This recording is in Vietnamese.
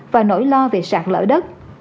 và nỗi lo về sạt lỡ đất